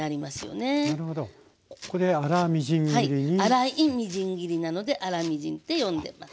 粗いみじん切りなので粗みじんって呼んでます。